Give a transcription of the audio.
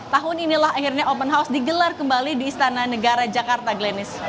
tahun inilah akhirnya open house digelar kembali di istana negara jakarta glenis